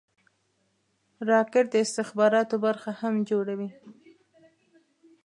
راکټ د استخباراتو برخه هم جوړوي